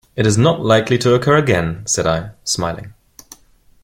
"It is not likely to occur again," said I, smiling.